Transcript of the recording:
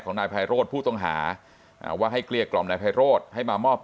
นายไพโรธผู้ต้องหาว่าให้เกลี้ยกล่อมนายไพโรธให้มามอบ